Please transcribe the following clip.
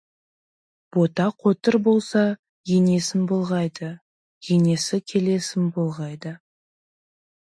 Бота қотыр болса, енесін былғайды, енесі келесін былғайды.